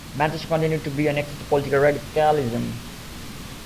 Manchester continued to be a nexus of political radicalism.